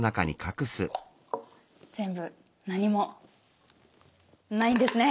全部何もないんですね！